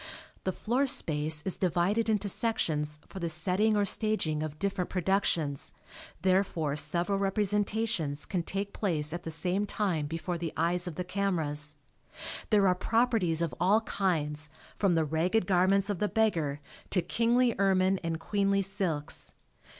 The floor space is divided into sections for the setting or staging of different productions, therefore several representations can take place at the same time before the eyes of the cameras. There are "properties" of all kinds from the ragged garments of the beggar to kingly ermine and queenly silks.